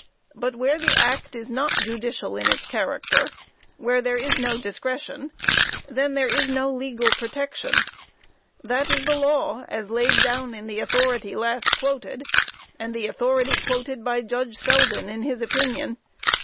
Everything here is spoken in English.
But where the act is not judicial in its character where there is no discretion then there is no legal protection. That is the law, as laid down in the authority last quoted, and the authority quoted by Judge Selden in his opinion.